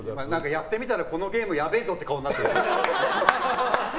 やってみたらこのゲームやべえぞっていう顔になってる。